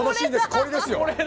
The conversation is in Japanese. これです！